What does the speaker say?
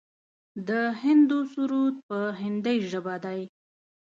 د هندو سرود په هندۍ ژبه دی.